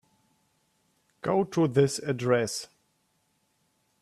Go to this address.